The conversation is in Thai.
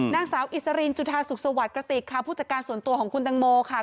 นางสาวอิสรินจุธาสุขสวัสดิ์กระติกค่ะผู้จัดการส่วนตัวของคุณตังโมค่ะ